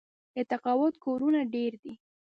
د تقاعد کورونه ډیر دي.